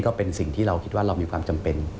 ก็เป็นสิ่งที่เราคิดว่าเรามีความจำเป็น